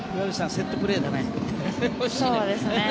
セットプレーだね。